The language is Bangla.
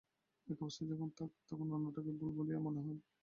এক অবস্থায় যখন থাক, তখন অন্যটাকে ভুল বলিয়া মনে হয়।